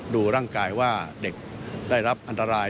ดูร่างกายว่าเด็กได้รับอันตราย